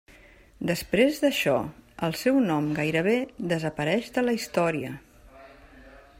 Després d'això el seu nom gairebé desapareix de la història.